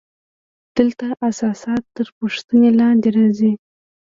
دلته اساسات تر پوښتنې لاندې راځي.